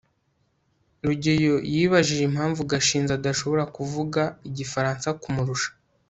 rugeyo yibajije impamvu gashinzi adashobora kuvuga igifaransa kumurusha